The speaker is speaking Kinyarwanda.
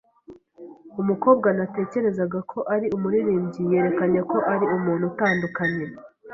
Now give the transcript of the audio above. Umukobwa natekerezaga ko ari umuririmbyi yerekanye ko ari umuntu utandukanye.